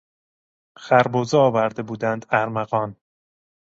خربزه آورده بودند ارمغان.